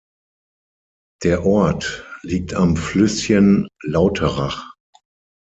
Der Ort liegt am Flüsschen Lauterach.